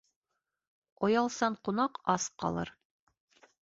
Оялсан ҡунаҡ ас ҡалыр.